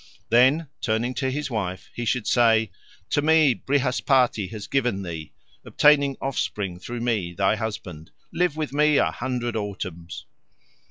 Then, turning to his wife, he should say, "To me Brihaspati has given thee; obtaining offspring through me, thy husband, live with me a hundred autumns."